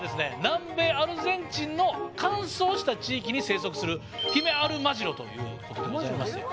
南米アルゼンチンの乾燥した地域に生息するヒメアルマジロということでございますよ。